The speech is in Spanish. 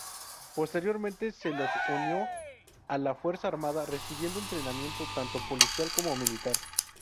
Posteriormente se los unió a la Fuerza Armada, recibiendo entrenamiento tanto policial como militar.